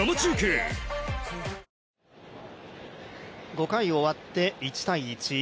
５回終わって１−１。